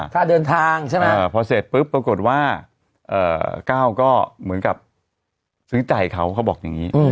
ค่าเดินทางใช่ไหมพอเสร็จปุ๊บปรากฏว่าก้าวก็เหมือนกับซื้อใจเขาเขาบอกอย่างนี้